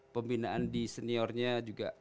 pembinaan di seniornya juga